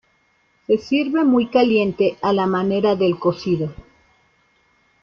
Se sirve muy caliente, a la manera del cocido.